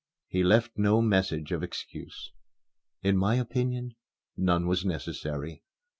He left no message of excuse. In my opinion, none was necessary.